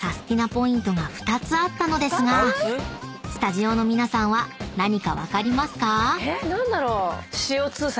ポイントが２つあったのですがスタジオの皆さんは何か分かりますか？］